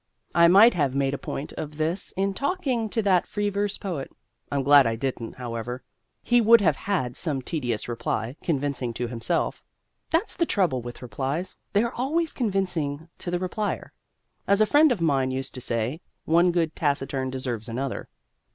I might have made a point of this in talking to that free verse poet. I'm glad I didn't, however: he would have had some tedious reply, convincing to himself. That's the trouble with replies: they are always convincing to the replier. As a friend of mine used to say, one good taciturn deserves another.